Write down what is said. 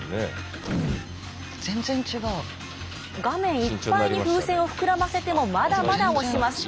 画面いっぱいに風船を膨らませてもまだまだ押します。